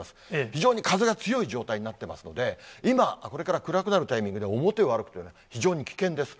非常に風が強い状態になっていますので、今、これから暗くなるタイミングで表を歩くというのは非常に危険です。